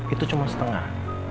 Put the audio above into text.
itu cuma setengah